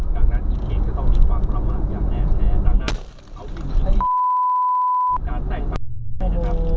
ฮะดังนั้นเขตก็ต้องมีความประมาทอย่างแน่แท้